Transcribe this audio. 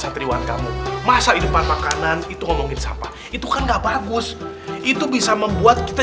striwan kamu masa depan makanan itu ngomongin sampah itu kan enggak bagus itu bisa membuat kita